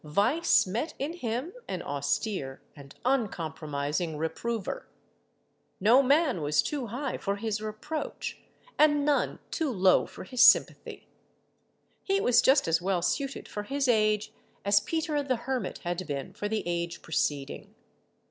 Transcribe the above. Vice met in him an austere and uncompromising reprover; no man was too high for his reproach, and none too low for his sympathy. He was just as well suited for his age as Peter the Hermit had been for the age preceding.